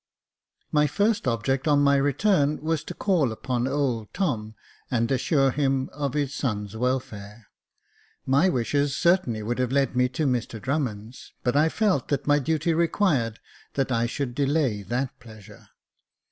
My first object, on my return, was to call upon old Tom, and assure him of his son's welfare. My wishes certainly would have led me to Mr Drummond's, but I felt that my duty required that I should delay that pleasure.